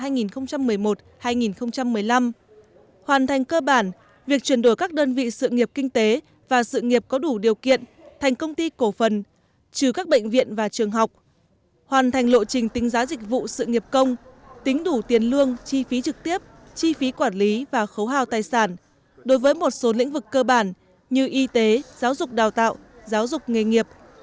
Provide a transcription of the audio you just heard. năm hai nghìn một mươi năm hoàn thành cơ bản việc chuyển đổi các đơn vị sự nghiệp kinh tế và sự nghiệp có đủ điều kiện thành công ty cổ phần trừ các bệnh viện và trường học hoàn thành lộ trình tính giá dịch vụ sự nghiệp công tính đủ tiền lương chi phí trực tiếp chi phí quản lý và khấu hào tài sản đối với một số lĩnh vực cơ bản như y tế giáo dục đào tạo giáo dục nghề nghiệp